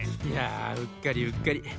いやうっかりうっかり。